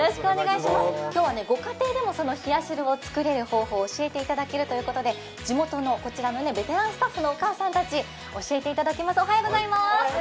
今日はご家庭でも冷や汁を作れる方法を教えてくれるということで、地元のこちらのベテランスタッフのお母さんたちに教えていただきます。